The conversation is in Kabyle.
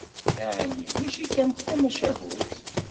Ɛni mačči kan d tamacahut?